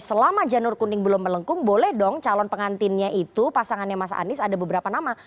selama janur kuning belum melengkung boleh dong calon pengantinnya itu pasangannya mas anies ada beberapa nama